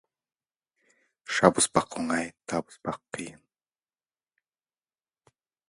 Шабыспақ оңай, табыспақ қиын.